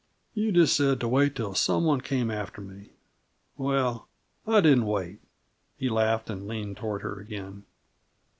You just said to wait till some one came after me. Well, I didn't wait." He laughed and leaned toward her again.